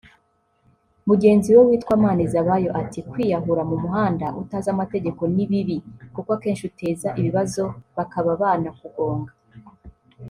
Mugenzi we witwa Manizabayo ati “Kwiyahura mu muhanda utazi amategeko ni bibi kuko akenshi uteza ibibazo bakaba banakugonga